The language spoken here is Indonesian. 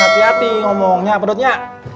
hati hati ngomongnya perutnya